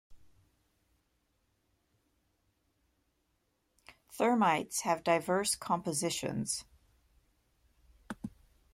Thermites have diverse compositions.